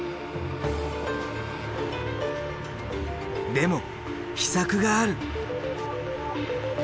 でも秘策がある！